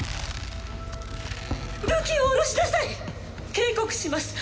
武器をおろしなさい警告します